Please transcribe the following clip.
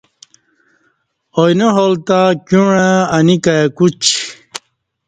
اوئینہ حال تہ کیوعں انی کائی کوچی